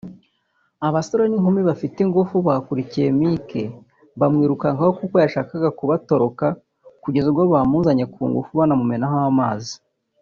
Abasore n’inkumi bafite ingufu bakurikiye Mike bamwirukankaho kuko yashakaga kubatoroka kugeza ubwo bamugaruye ku ngufu banamumenaho amazi